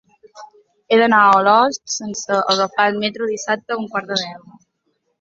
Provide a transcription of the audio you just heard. He d'anar a Olost sense agafar el metro dissabte a un quart de deu.